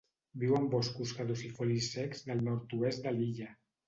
Viu en boscos caducifolis secs del nord-oest de l'illa.